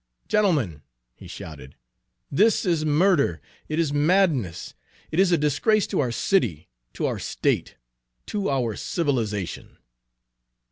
"Gentlemen!" he shouted; "this is murder, it is madness; it is a disgrace to our city, to our state, to our civilization!"